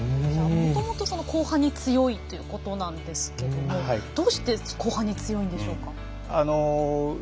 もともと後半に強いということなんですがどうして後半に強いんでしょうか？